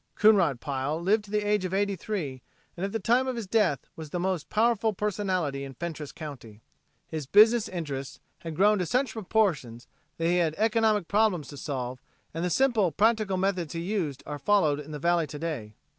Coonrod Pile lived to the age of eighty three and at the time of his death was the most powerful personality in Fentress county. His business interests had grown to such proportions that he had economic problems to solve and the simple practical methods he used are followed in the valley to day.